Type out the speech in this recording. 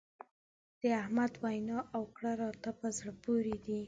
د احمد وينا او کړه راته په زړه پورې دي.